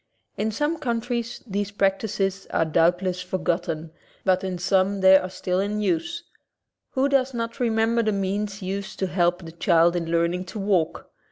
In some countries these practices are doubt less forgotten, but in some they are still in use. Who does not remember the means used to help the child in learning to walk?